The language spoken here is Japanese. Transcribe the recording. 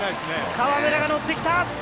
河村がノッてきた！